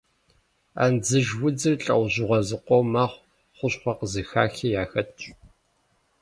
Андзыш удзыр лӏэужьыгъуэ зыкъом мэхъу, хущхъуэ къызыхахи яхэтщ.